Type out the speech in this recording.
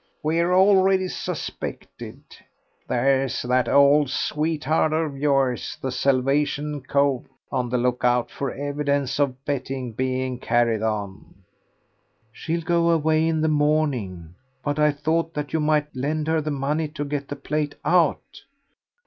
We're already suspected. There's that old sweetheart of yours, the Salvation cove, on the lookout for evidence of betting being carried on." "She'll go away in the morning. But I thought that you might lend her the money to get the plate out."